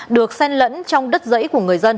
được sen lẫn trong đất dãy của người dân